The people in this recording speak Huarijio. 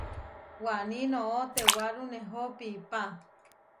Waní noʼó tewarú nehó piʼpá.